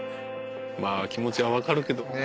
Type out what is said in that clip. まあ気持ちは分かるけど。